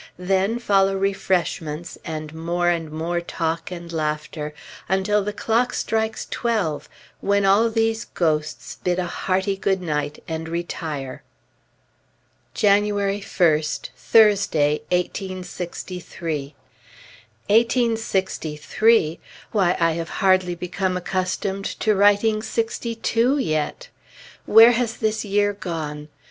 Then follow refreshments, and more and more talk and laughter, until the clock strikes twelve, when all these ghosts bid a hearty good night and retire. January 1st, Thursday, 1863. 1863! Why I have hardly become accustomed to writing '62 yet! Where has this year gone?